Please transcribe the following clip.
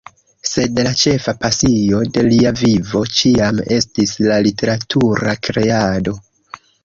Sed la ĉefa pasio de lia vivo ĉiam estis la literatura kreado.